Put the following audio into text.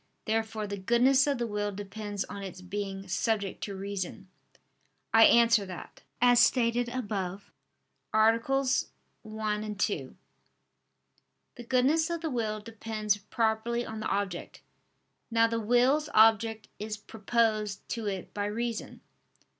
Therefore the goodness of the will depends on its being subject to reason. I answer that, As stated above (AA. 1, 2), the goodness of the will depends properly on the object. Now the will's object is proposed to it by reason.